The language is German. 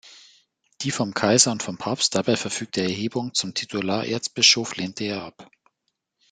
Die vom Kaiser und vom Papst dabei verfügte Erhebung zum Titularerzbischof lehnte er ab.